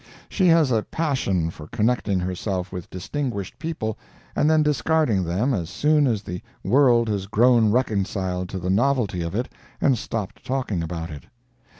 She has a passion for connecting herself with distinguished people, and then discarding them as soon as the world has grown reconciled to the novelty of it and stopped talking about it.